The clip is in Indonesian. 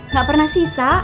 gak pernah sisa